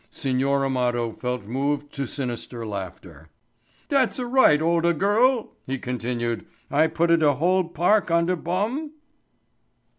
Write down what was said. Signor Amado felt moved to sinister laughter. "Dat's right, olda girl," he continued. "I puta de whole park on de bum?"